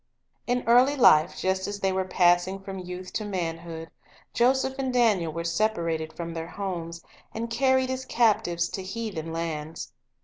In early life, just as they were passing from youth to manhood, Joseph and Daniel were separated from their homes, and carried as captives to heathen lands.